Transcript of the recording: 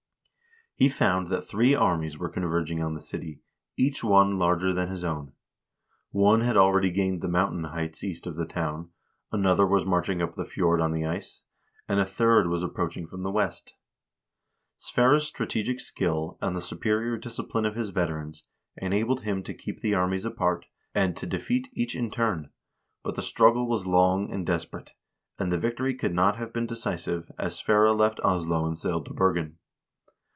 He found that three armies were converging on the city, each one larger than his own. One had already gained the moun tain heights east of the town, another was marching up the fjord on the ice, and a third was approaching from the west. Sverre's strategic skill, and the superior discipline of his veterans enabled him to keep the armies apart, and to defeat each in turn, but the struggle was long and desperate, and the victory could not have been decisive, as Sverre left Oslo and sailed to Bergen.